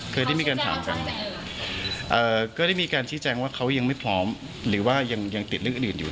ก็ได้มีการชี้แจงว่าเขายังไม่พร้อมหรือว่ายังติดเรื่องอื่นอยู่